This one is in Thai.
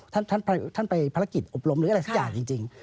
ท่านไปภารกิจอบรมหรืออะไรสักอย่างจริง